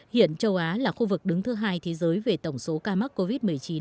hiện châu á là khu vực đứng thứ hai thế giới về tổng số ca mắc covid một mươi chín